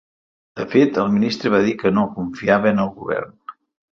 De fet, el ministre va dir que no confiava en el govern.